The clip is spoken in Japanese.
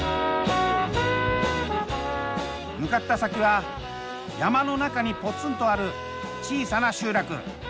向かった先は山の中にポツンとある小さな集落。